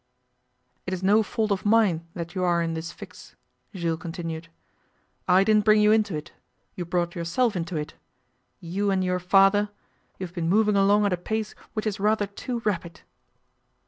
'It is no fault of mine that you are in this fix,' Jules continued. 'I didn't bring you into it. You brought yourself into it. You and your father you have been moving along at a pace which is rather too rapid.